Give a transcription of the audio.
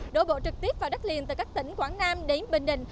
đổ bộ trực tiếp vào đất liền từ các tỉnh quảng nam đến bình định